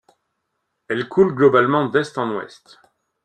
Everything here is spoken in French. Elle coule globalement d'est en ouest.